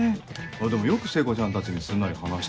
でもよく聖子ちゃんたちにすんなり話したね。